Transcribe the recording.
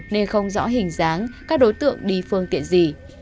nên không rõ hình dáng các đối tượng đi phương tiện gì